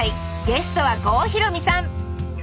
ゲストは郷ひろみさん